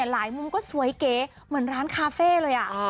หลายมุมก็สวยเก๋เหมือนร้านคาเฟ้เลยอ่ะ